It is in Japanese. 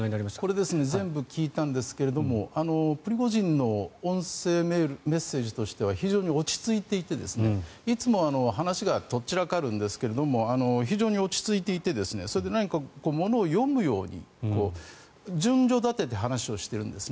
これ、全部聞いたんですがプリゴジンの音声メッセージとしては非常に落ち着いていていつもは話がとっ散らかるんですが非常に落ち着いていてそれで、何かものを読むように順序立てて話をしているんです。